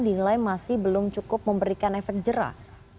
dinilai masih belum cukup memberikan efek jerah